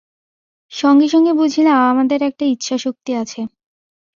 সঙ্গে সঙ্গে বুঝিলাম, আমাদের একটা ইচ্ছাশক্তি আছে।